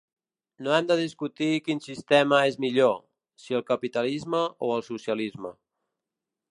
No hem de discutir quin sistema és millor, si el capitalisme o el socialisme.